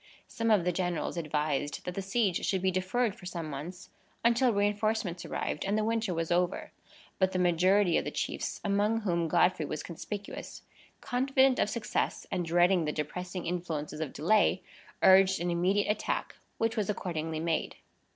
Some of the generals advised that the siege should be deferred for some months, until reinforcements arrived, and the winter was over; but the majority of the chiefs, among whom Godfrey was conspicuous, confident of success, and dreading the depressing influences of delay, urged an immediate attack, which was accordingly made.